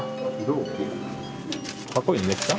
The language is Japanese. かっこいいのできた？